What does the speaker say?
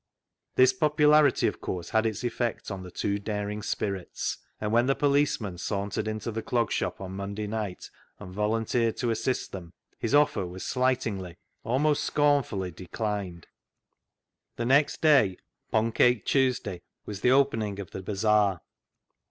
This popularity, of course, had its effect on the two daring spirits, and when the policeman sauntered into the Clog Shop on Monday night, and volunteered to assist them, his offer was slightingly — almost scornfully — declined. The next day, " Poncake Tuesday," was the opening of the bazaar.